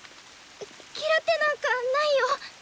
嫌ってなんかないよ！